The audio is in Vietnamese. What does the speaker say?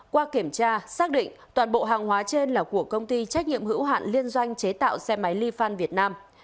qua kiểm tra xác định toàn bộ hàng hóa trên là của công ty trách nhiệm hữu hạn liên doanh chế tạo xe máy li fan việt nam